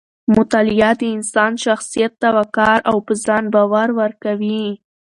مطالعه د انسان شخصیت ته وقار او په ځان باور ورکوي.